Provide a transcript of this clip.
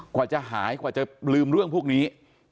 กว่าจะหายกว่าจะลืมเรื่องพวกนี้